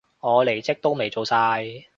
我離職都未做晒